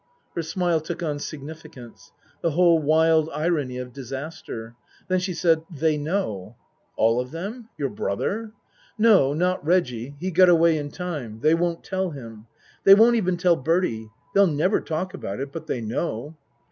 Her smile took on significance the whole wild irony of disaster. Then she said, " They know." " All of them ? Your brother ?"" No. Not Reggie. He got away in time. They won't tell him. They won't even tell Bertie. They'll never talk about it. But they know."